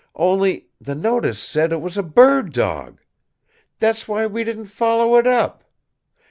Only the notice said it was a bird dog. That's why we didn't follow it up.